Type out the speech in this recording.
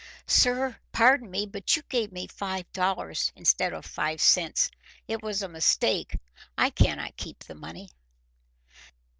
"Sir, pardon me; but you gave me five dollars instead of five cents. It was a mistake; I cannot keep the money."